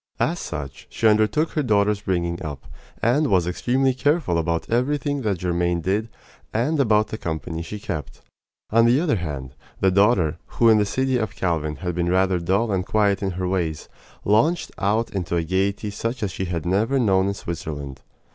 As such, she undertook her daughter's bringing up, and was extremely careful about everything that Germaine did and about the company she kept. On the other hand, the daughter, who in the city of Calvin had been rather dull and quiet in her ways, launched out into a gaiety such as she had never known in Switzerland.